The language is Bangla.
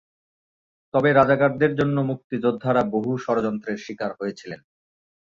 তবে রাজাকারদের জন্যে মুক্তিযোদ্ধারা বহু ষড়যন্ত্রের শিকার হয়েছিলেন।